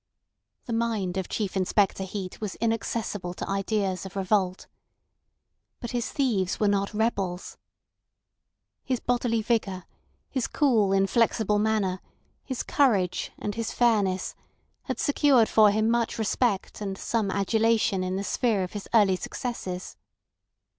The mind of Chief Inspector Heat was inaccessible to ideas of revolt. But his thieves were not rebels. His bodily vigour, his cool inflexible manner, his courage and his fairness, had secured for him much respect and some adulation in the sphere of his early successes.